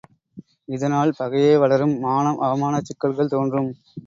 இதனால் பகையே வளரும், மானம் அவமானச் சிக்கல்கள் தோன்றும்.